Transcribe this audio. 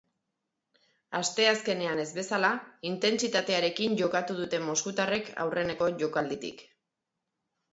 Asteazkenean ez bezala, intentsitatearekin jokatu dute moskutarrek aurreneko jokalditik.